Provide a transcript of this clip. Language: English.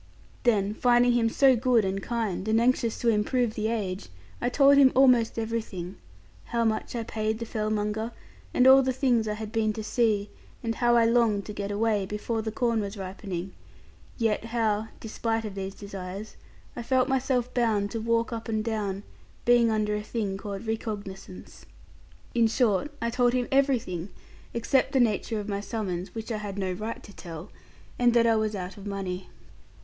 Then finding him so good and kind, and anxious to improve the age, I told him almost everything; how much I paid the fellmonger, and all the things I had been to see; and how I longed to get away, before the corn was ripening; yet how (despite of these desires) I felt myself bound to walk up and down, being under a thing called 'recognisance.' In short, I told him everything; except the nature of my summons (which I had no right to tell), and that I was out of money.